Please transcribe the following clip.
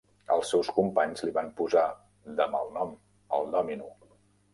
Els seus companys li van posar de malnom "el Dòmino".